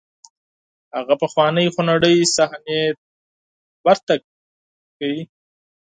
هغه پخوانۍ خونړۍ صحنې تکراروئ.